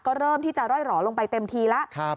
ก็เริ่มที่จะร่อยหล่อลงไปเต็มทีแล้ว